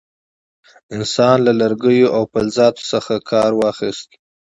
انسان له لرګیو او فلزاتو څخه ګټه واخیسته.